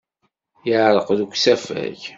Yeɛreq deg usafag.